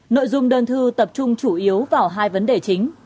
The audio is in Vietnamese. nội dung đơn thư tập trung chủ yếu vào hai vấn đề chính